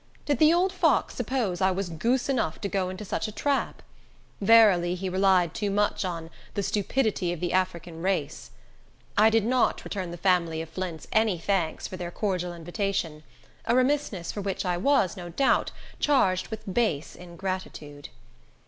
Did the old fox suppose I was goose enough to go into such a trap? Verily, he relied too much on "the stupidity of the African race." I did not return the family of Flints any thanks for their cordial invitation—a remissness for which I was, no doubt, charged with base ingratitude.